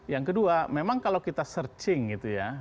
yang kedua memang kalau kita searching gitu ya